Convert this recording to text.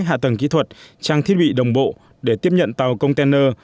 hạ tầng kỹ thuật trang thiết bị đồng bộ để tiếp nhận tàu container